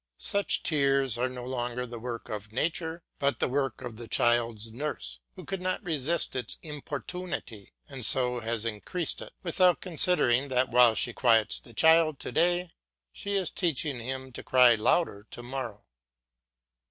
Such tears are no longer the work of nature, but the work of the child's nurse, who could not resist its importunity and so has increased it, without considering that while she quiets the child to day she is teaching him to cry louder to morrow.